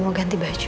mau ganti baju